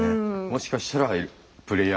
もしかしたらプレイヤーもね